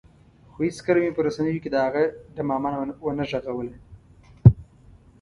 خو هېڅکله مې په رسنیو کې د هغه ډمامه ونه غږوله.